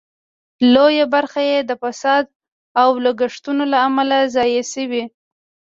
لویه برخه یې د فساد او لګښتونو له امله ضایع شوې.